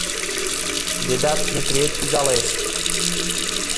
Ведат Метриет кӱзалеш.